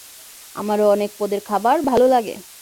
আমারও অনেক পদের খাবার ভালো লাগে।